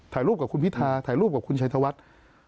ถ่ายรูปกับคุณพิทาถ่ายรูปกับคุณชัยธวัฒน์